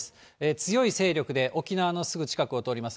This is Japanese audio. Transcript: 強い勢力で沖縄のすぐ近くを通ります。